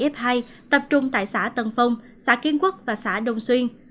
ba mươi bảy f hai tập trung tại xã tân phong xã kiến quốc và xã đông xuyên